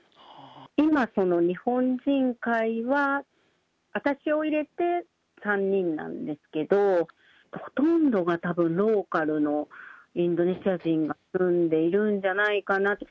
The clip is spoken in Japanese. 今、日本人会は私を入れて３人なんですけど、ほとんどがたぶん、ローカルのインドネシア人が住んでいるんじゃないかなと。